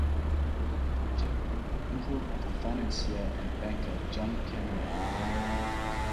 James was the uncle of the financier and banker John Pierpont Morgan.